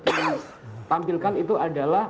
ditampilkan itu adalah